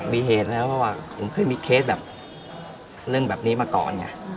มีเหตุแล้วว่าผมเคยมีเคสแบบเรื่องแบบนี้มาก่อนเนี่ย